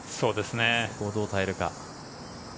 そこをどう耐えるか。